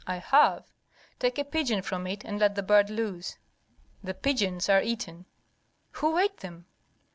"I have." "Take a pigeon from it, and let the bird loose." "The pigeons are eaten." "Who ate them?"